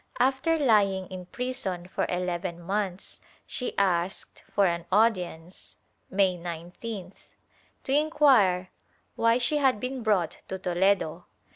After lying in prison for eleven months she asked an audience. May 19th, to inquire why she had been brought to Toledo.